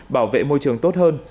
bảo vệ môi trường tốt hơn